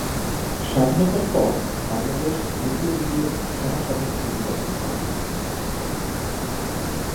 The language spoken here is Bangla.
স্বাধীনতার পর বাংলাদেশ মুসলিম লীগের সহ-সভাপতি নির্বাচিত হন।